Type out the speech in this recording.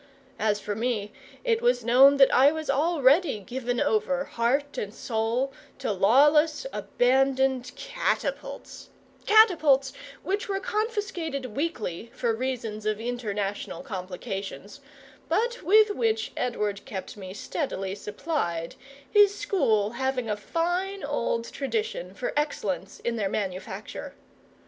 As for me, it was known that I was already given over, heart and soul, to lawless abandoned catapults catapults which were confiscated weekly for reasons of international complications, but with which Edward kept me steadily supplied, his school having a fine old tradition for excellence in their manufacture.